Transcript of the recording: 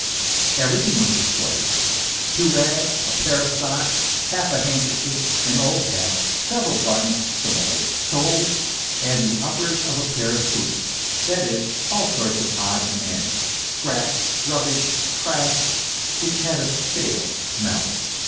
Everything was displayed : two rags, a pair of socks, half a handkerchief, an old hat, several buttons, some old soles, and the uppers of a pair of boots, that is, all sorts of odds and ends, scraps, rubbish, trash, which had a stale smell.